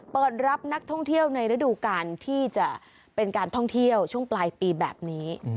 เปิดรับนักท่องเที่ยวในฤดูการที่จะเป็นการท่องเที่ยวช่วงปลายปีแบบนี้